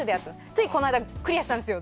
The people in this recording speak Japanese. ついこの間クリアしたんですよ。